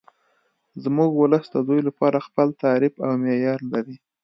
زموږ ولس د زوی لپاره خپل تعریف او معیار لري